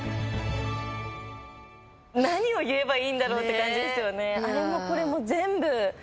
何を言えばいいんだろうって感じですよね。